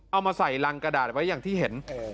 เอามาใส่รังกระดาษไว้อย่างที่เห็น